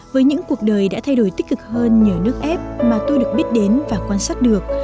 với những cuộc đời đã thay đổi tích cực hơn nhờ nước ép mà tôi được biết đến và quan sát được